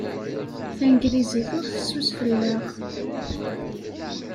Tanglizit ur fessus fell-aɣ.